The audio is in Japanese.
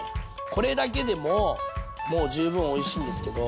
これだけでもうもう十分おいしいんですけど。